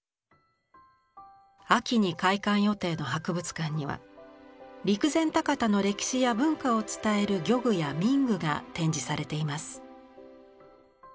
秋に開館予定の博物館には陸前高田の歴史や文化を伝える漁具や民具が展示されています。